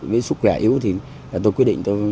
với sức khỏe yếu thì tôi quyết định